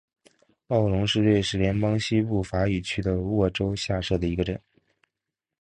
奥龙是瑞士联邦西部法语区的沃州下设的一个镇。